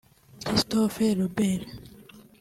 Christophe Robert